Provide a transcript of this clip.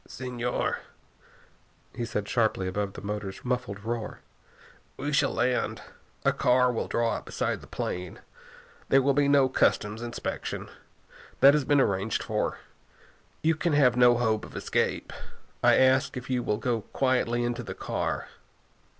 "Señor," he said sharply above the motors' muffled roar, "we shall land. A car will draw up beside the plane. There will be no customs inspection. That has been arranged for. You can have no hope of escape. I ask you if you will go quietly into the car?"